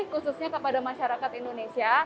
khususnya kepada masyarakat indonesia